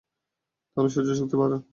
তাহলে সহ্যশক্তি বাড়ান।